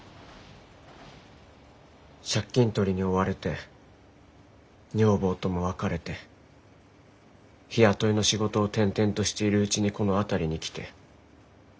借金取りに追われて女房とも別れて日雇いの仕事を転々としているうちにこの辺りに来て。